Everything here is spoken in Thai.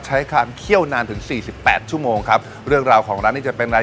ใช้ความเคี่ยวนานถึงสี่สิบแปดชั่วโมงครับเรื่องราวของร้านนี้จะเป็นอะไร